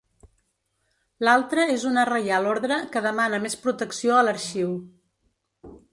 L'altra és una reial ordre que demana més protecció a l'arxiu.